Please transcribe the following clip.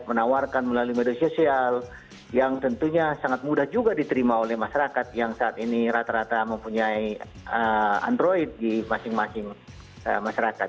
menawarkan melalui media sosial yang tentunya sangat mudah juga diterima oleh masyarakat yang saat ini rata rata mempunyai android di masing masing masyarakat